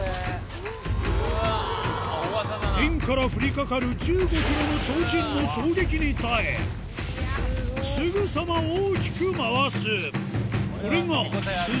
天から降りかかる１５キロの提灯の衝撃に耐え、すぐさま大きく回す。